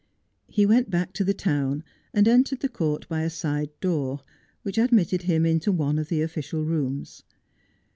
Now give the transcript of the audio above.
He went back to the town and entered the court by a side door, which admitted him into one of the official rooms.